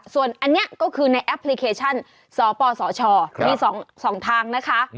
ส่วนอันนี้ก็คือในแอปพลิเคชันสปสชมี๒ทางนะคะ